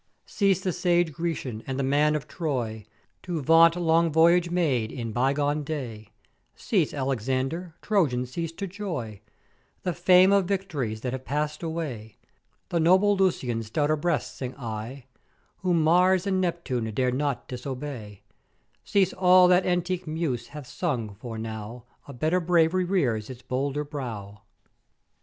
Cease the sage Grecian, and the man of Troy to vaunt long voyage made in by gone day: Cease Alexander, Trojan cease to 'joy the fame of vict'ories that have pass'd away: The noble Lusian's stouter breast sing I, whom Mars and Neptune dared not disobey: Cease all that antique Muse hath sung, for now a better Brav'ry rears its bolder brow.